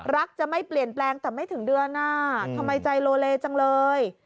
จะไม่เปลี่ยนแปลงแต่ไม่ถึงเดือนทำไมใจโลเลจังเลย